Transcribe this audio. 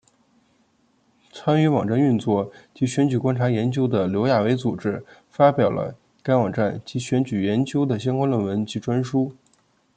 参与网站运作及选举观察研究的刘亚伟组织发表了该网站及选举研究的相关论文及专书。